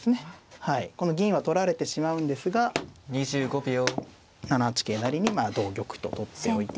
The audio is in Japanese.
この銀は取られてしまうんですが７八桂成に同玉と取っておいて。